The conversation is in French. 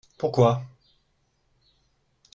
Pourquoi ?